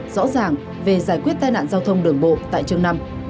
rõ ràng về giải quyết tai nạn giao thông đường bộ tại chương năm